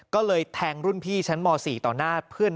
ก็เลยแทงรุ่นพี่ชั้นม๔ต่อหน้าเพื่อน